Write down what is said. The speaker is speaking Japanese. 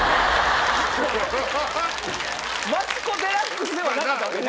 マツコ・デラックスではなかったわけね。